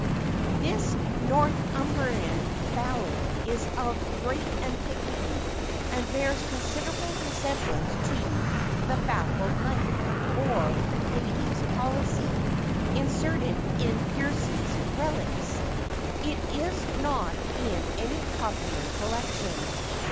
[THIS Northumbrian ballad is of great antiquity, and bears considerable resemblance to The Baffled Knight; or, Lady's Policy, inserted in Percy's Reliques. It is not in any popular collection.